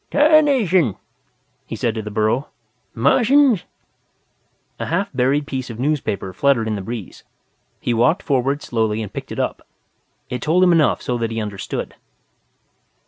"Tarnation!" he said to the burro. "Martians?" A half buried piece of newspaper fluttered in the breeze. He walked forward slowly and picked it up. It told him enough so that he understood.